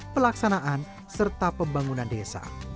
pelaksanaan serta pembangunan desa